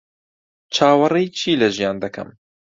چاوەڕێی چی لە ژیان دەکەم؟